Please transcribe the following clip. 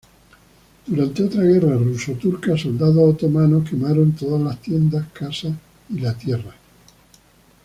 Durante otra guerra ruso-turca, soldados otomanos quemaron todas las tiendas, casas y la tierra.